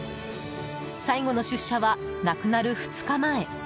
最後の出社は、亡くなる２日前。